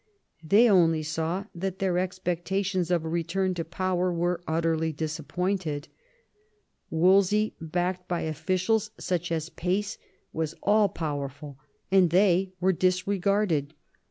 They only saw that their expectations of a return to power were utterly disappointed ; Wolsey, backed by officials such as Pace, was all powerful, and they were disregarded.